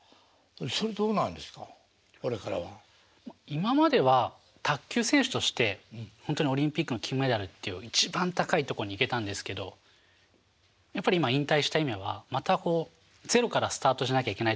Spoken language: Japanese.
今までは卓球選手としてほんとにオリンピックの金メダルという一番高いとこに行けたんですけどやっぱり今引退した今はまたこうゼロからスタートじゃなきゃいけないと思ってるんですよね。